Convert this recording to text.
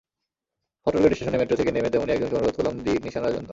হটরগেট স্টেশনে মেট্রো থেকে নেমে তেমনই একজনকে অনুরোধ করলাম দিক-নিশানার জন্য।